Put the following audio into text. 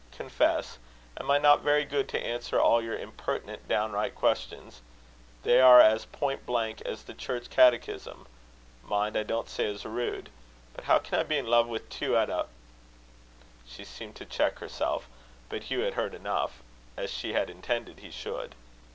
Confess. Am I not very good to answer all your impertinent downright questions? They are as point blank as the church catechism; mind, I don't say as rude. How can I be in love with two at a ?" She seemed to cheek herself. But Hugh had heard enough as she had intended he should.